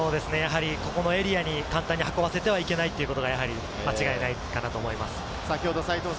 ここのエリアに簡単に運ばせてはいけないということは間違いないかなと思います。